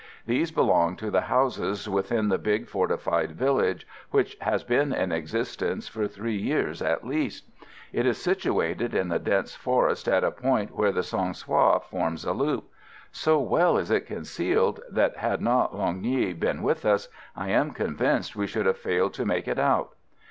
These belonged to the houses within the big fortified village which has been in existence for three years at least. It is situated in the dense forest at a point where the Song Soï forms a loop. So well is it concealed that had not Linh Nghi been with us, I am convinced we should have failed to make it out.